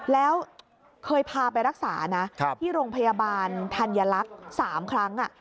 แล้วเคยพาไปรักษานะที่โรงพยาบาลธัญลักษณ์๓ครั้ง